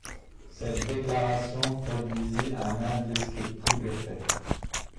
Cette déclaration produisit un indescriptible effet.